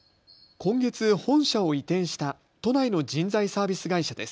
今月、本社を移転した都内の人材サービス会社です。